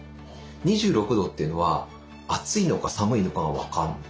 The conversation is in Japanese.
２６度というのは暑いのか寒いのかが分かんない。